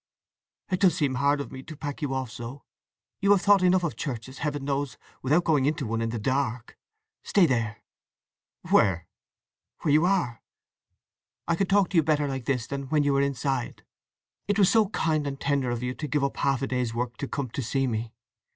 "It does seem hard of me to pack you off so! You have thought enough of churches, Heaven knows, without going into one in the dark. Stay there." "Where?" "Where you are. I can talk to you better like this than when you were inside… It was so kind and tender of you to give up half a day's work to come to see me!